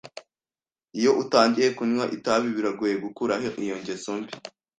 Iyo utangiye kunywa itabi, biragoye gukuraho iyo ngeso mbi.